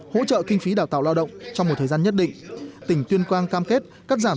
hỗ trợ kinh phí đào tạo lao động trong một thời gian nhất định tỉnh tuyên quang cam kết cắt giảm